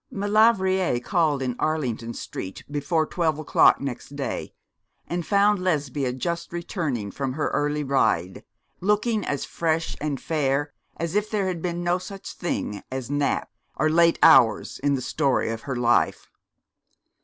Maulevrier called in Arlington Street before twelve o'clock next day, and found Lesbia just returning from her early ride, looking as fresh and fair as if there had been no such thing as Nap or late hours in the story of her life.